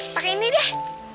pakai ini deh